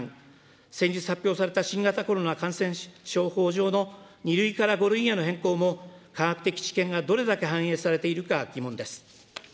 先日、発表された新型コロナ感染症法上の２類から５類への変更も、科学的知見がどれだけ反映されているか疑問です。